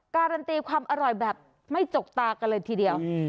การันตีความอร่อยแบบไม่จกตากันเลยทีเดียว